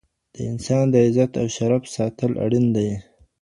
د انسان د عزت او شرف ساتل اړين دي.